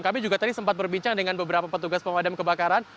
kami juga tadi sempat berbincang dengan beberapa petugas pemadam kebakaran